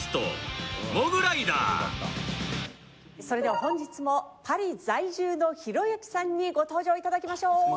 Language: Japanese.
それでは本日もパリ在住のひろゆきさんにご登場頂きましょう。